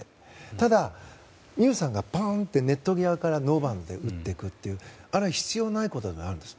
ただ、未唯さんがネット際からノーバウンドで打っていくというあれは必要ないことではあるんです。